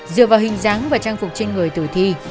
dựa vào hình dáng và trang phục trên người tử thi